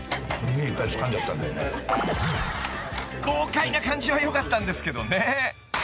［豪快な感じはよかったんですけどね］